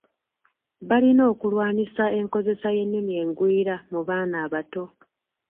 Balina okulwanyisa enkozesa y’ennimi engwira mu baana abato.